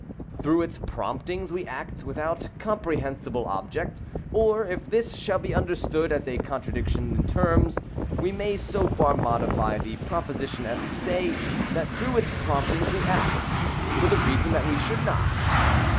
Through its promptings we act without comprehensible object; or, if this shall be understood as a contradiction in terms, we may so far modify the proposition as to say, that through its promptings we act, for the reason that we should not.